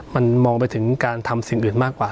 มันมองไปถึงการทำสิ่งอื่นมากกว่า